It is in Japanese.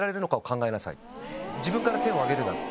自分から手を挙げるなと。